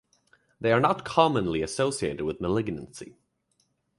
They are not commonly associated with malignancy.